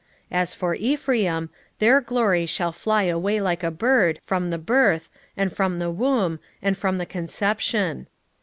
9:11 As for Ephraim, their glory shall fly away like a bird, from the birth, and from the womb, and from the conception.